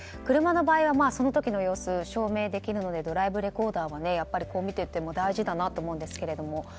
車の場合はその時の様子を証明できるのでドライブレコーダーはやっぱりこう見ていっても大事だなと思うんですけれども。